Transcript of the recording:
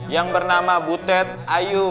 yang bernama butet ayu